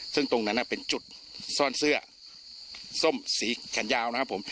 ซึ่งตรงนั้นเป็นจุดซ่อนเสื้อส้มสีแขนยาวนะครับผม